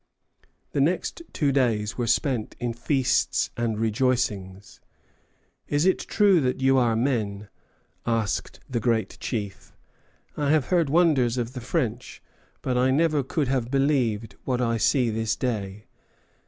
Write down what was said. The next two days were spent in feasts and rejoicings. "Is it true that you are men?" asked the Great Chief. "I have heard wonders of the French, but I never could have believed what I see this day."